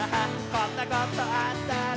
こんなことあったら」